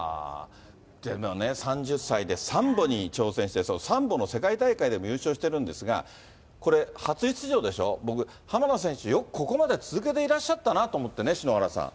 でもね、３０歳でサンボに挑戦して、サンボの世界大会でも優勝してるんですが、これ、初出場でしょ、僕、浜田選手、ここまでよく続けていらっしゃったなと思ってね、篠原